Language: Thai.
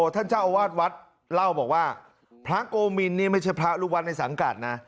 ท่านเจ้าอาวาสวัดเล่าบอกว่าพระโกมินนี่ไม่ใช่พระลูกวัดในสังกัดนะ